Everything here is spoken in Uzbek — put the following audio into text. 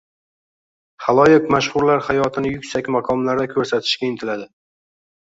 Xaloyiq mashhurlar hayotini yuksak maqomlarda koʻrsatishga intiladi